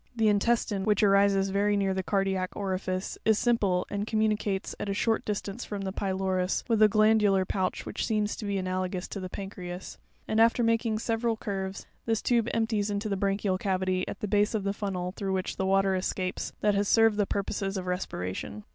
'The intestine, which arises very near the cardiac orifice, is simple, and communicates, at a short distance from the pylorus, with a glandular pouch which seems to be ana logous to the pancreas ; "and, after making several curves, this tube empties into the branchial cavity, at the base of the funnel through which the water escapes that has served the purposes of respiration.